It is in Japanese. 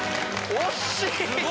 惜しい！